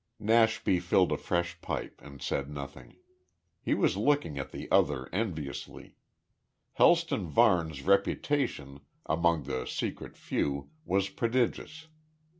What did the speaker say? Nashby filled a fresh pipe and said nothing. He was looking at the other enviously. Helston Varne's reputation, among the secret few, was prodigious.